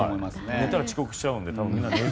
寝たら遅刻しちゃうので。